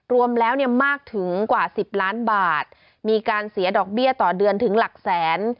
รวมแล้วเนี่ยมากถึงกว่า๑๐ล้านบาทมีการเสียดอกเบี้ยต่อเดือนถึงหลักแสน